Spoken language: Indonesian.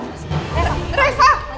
terima kasih mama sudah harus dewi